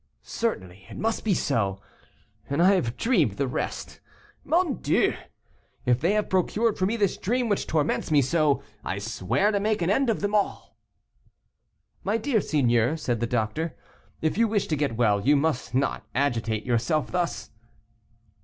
Certainly, it must be so, and I have dreamed the rest. Mon Dieu! if they have procured for me this dream which torments me so, I swear to make an end of them all." "My dear seigneur," said the doctor, "if you wish to get well, you must not agitate yourself thus."